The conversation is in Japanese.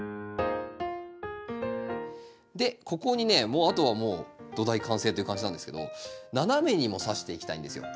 でここにねあとはもう土台完成という感じなんですけど斜めにもさしていきたいんですよ。